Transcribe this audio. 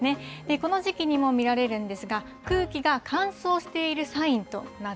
この時期にもみられるんですが、空気が乾燥しているサインとなっ